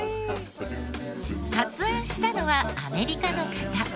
発案したのはアメリカの方。